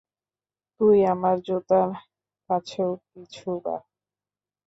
তুই আমার জুতার কাছেও কিছু বা।